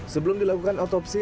sebelum dilakukan autopsi